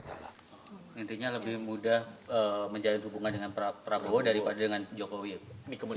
salah intinya lebih mudah menjalin hubungan dengan prabowo daripada dengan jokowi